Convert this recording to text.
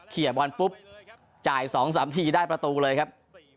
บอลปุ๊บจ่าย๒๓ทีได้ประตูเลยครับ